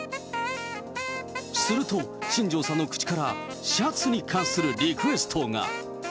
すると、新庄さんの口から、シャツに関するリクエストが。